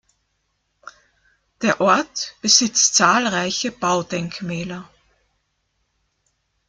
Der Ort besitzt zahlreiche Baudenkmäler.